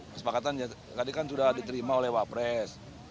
kesepakatan tadi kan sudah diterima oleh wapres